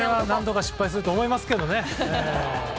何度か失敗するとは思いますけどね。